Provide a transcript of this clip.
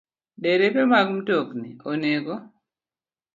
Derepe mag mtokni onego